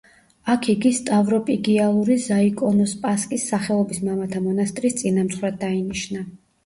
აქ იგი სტავროპიგიალური ზაიკონოსპასკის სახელობის მამათა მონასტრის წინამძღვრად დაინიშნა.